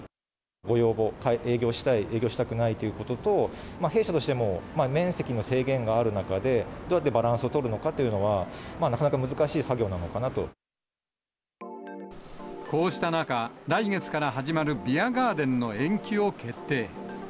ご要望、営業したい、営業したくないということと、弊社としても、面積の制限がある中で、どうやってバランスを取るのかっていうのは、こうした中、来月から始まるビアガーデンの延期を決定。